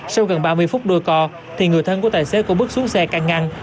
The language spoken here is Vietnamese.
sau gần ba mươi phút đuôi co thì người thân của tài xế cũng bước xuống xe căng ngăn